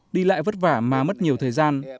đi lại vất vả mà mất nhiều thời gian